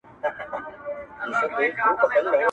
o هغه هڅه کوي ځان مصروف وساتي خو دروني فشار يې زيات دی,